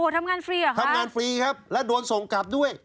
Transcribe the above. ทำงานฟรีเหรอคะทำงานฟรีครับและโดนส่งกลับด้วย